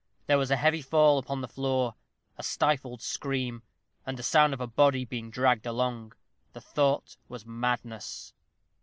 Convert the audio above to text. There was a heavy fall upon the floor a stifled scream and a sound as of a body being dragged along. The thought was madness.